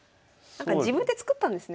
自分で作ったんですね